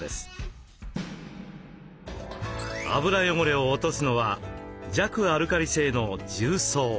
油汚れを落とすのは弱アルカリ性の重曹。